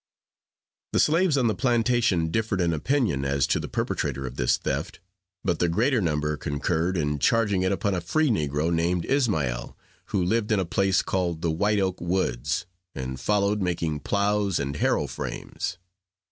The slaves on the plantation differed in opinion as to the perpetrator of this theft; but the greater number concurred in charging it upon a free negro man, named Ishmael, who lived in a place called the White Oak Woods, and followed making ploughs and harrow frames.